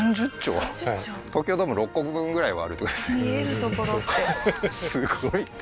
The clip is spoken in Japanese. はい東京ドーム６個分ぐらいはあるってことですね